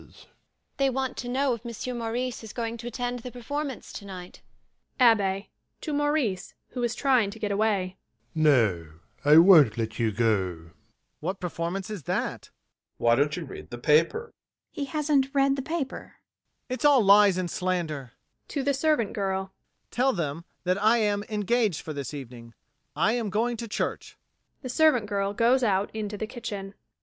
They want to know if Monsieur Maurice is going to attend the performance tonight. ABBÉ. [To MAURICE, who is trying to get away] No, I won't let you go. MAURICE. What performance is that? ADOLPHE. Why don't you read the paper? MME. CATHERINE and the ABBÉ. He hasn't read the paper? MAURICE. It's all lies and slander. [To the SERVANT GIRL] Tell them that I am engaged for this evening: I am going to church. (The SERVANT GIRL goes out into the kitchen.)